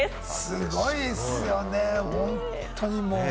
すごいっすよね、本当にもう。